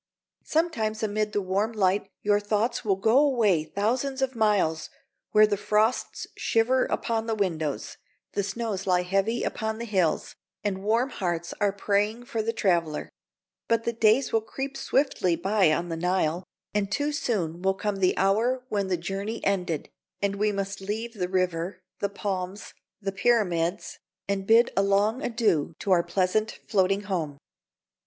Sometimes amid the warm light your thoughts will go away thousands of miles, where the frosts shiver upon the windows, the snows lie heavy upon the hills, and warm hearts are praying for the traveller; but the days will creep swiftly by on the Nile, and too soon will come the hour when, the journey ended, we must leave the river, the palms, the Pyramids, and bid a long adieu to our pleasant floating home.